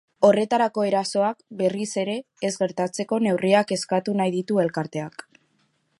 Horrelako erasoak berriz ere ez gertatzeko neurriak eskatu ditu elkarteak.